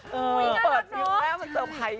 เปิดให้มันเทอร์ไพร์เหรอ